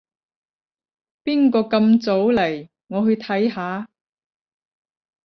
邊個咁早嚟？我去睇下